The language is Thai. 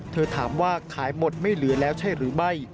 เธอถามว่าขายหมดไม่เหลือแล้วใช่หรือไม่